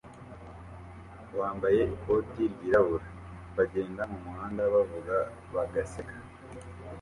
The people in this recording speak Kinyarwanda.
wambaye ikoti ryirabura) bagenda mumuhanda bavuga bagaseka